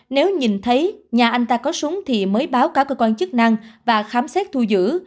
nếu nhìn thấy nhà anh ta có súng thì mới báo cáo cơ quan chức năng và khám xét thu giữ